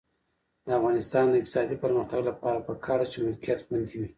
د افغانستان د اقتصادي پرمختګ لپاره پکار ده چې ملکیت خوندي وي.